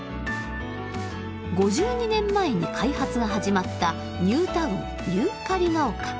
５２年前に開発が始まったニュータウンユーカリが丘。